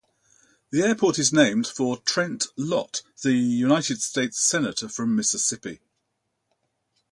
The airport is named for Trent Lott, the United States Senator from Mississippi.